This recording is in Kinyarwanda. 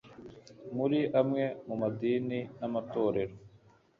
Muri amwe mu madini n amatorero